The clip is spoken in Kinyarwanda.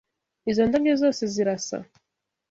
Izo ndabyo zose zirasa.